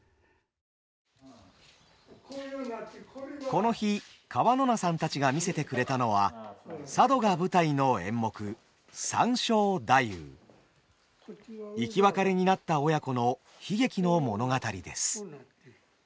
この日川野名さんたちが見せてくれたのは生き別れになった親子の悲劇の物語です。